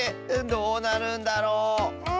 どうなるんだろう？